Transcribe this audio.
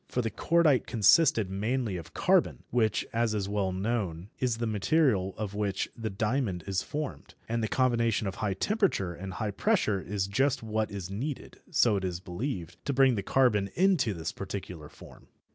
For the cordite consisted mainly of carbon, which, as is well known, is the material of which the diamond is formed, and the combination of high temperature and high pressure is just what is needed, so it is believed, to bring the carbon into this particular form.